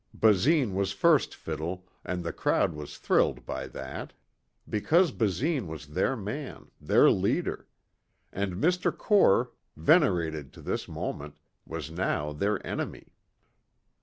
Basine was first fiddle and the crowd was thrilled by that. Because Basine was their man, their leader. And Mr. Core, venerated to this moment, was now their enemy.